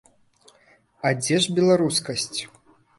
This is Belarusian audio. А дзе ж беларускасць?